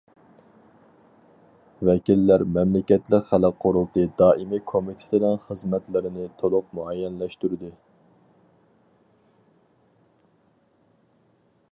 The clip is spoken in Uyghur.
ۋەكىللەر مەملىكەتلىك خەلق قۇرۇلتىيى دائىمىي كومىتېتىنىڭ خىزمەتلىرىنى تولۇق مۇئەييەنلەشتۈردى.